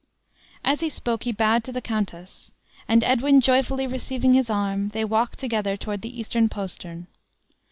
As he spoke, he bowed to the countess; and Edwin joyfully receiving his arm, they walked together toward the eastern postern.